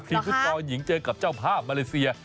ฟุตซอลหญิงเจอกับเจ้าภาพมาเลเซีย